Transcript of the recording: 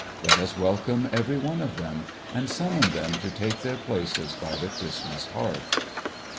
Let us welcome every one of them, and summon them to take their places by the Christmas hearth.